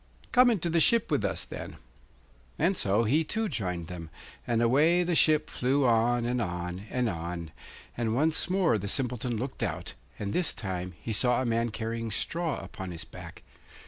'Come into the ship with us, then.' And so he too joined them; and away the ship flew on, and on, and on, and once more the Simpleton looked out, and this time he saw a man carrying straw upon his back.